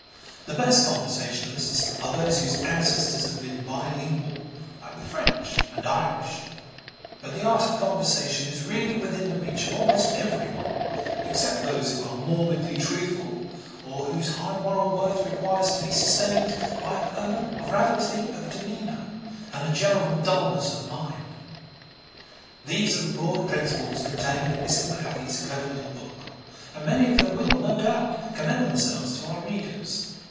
The best conversationalists are those whose ancestors have been bilingual, like the French and Irish, but the art of conversation is really within the reach of almost every one, except those who are morbidly truthful, or whose high moral worth requires to be sustained by a permanent gravity of demeanour and a general dulness of mind. These are the broad principles contained in Mr. Mahaffy's clever little book, and many of them will, no doubt, commend themselves to our readers.